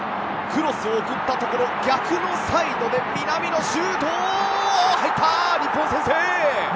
クロスを送ったところ逆のサイドで南野、シュート！